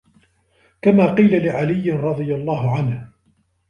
كَمَا قِيلَ لِعَلِيٍّ رَضِيَ اللَّهُ عَنْهُ